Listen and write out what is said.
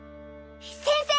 先生！